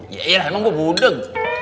yaelah emang gua budeng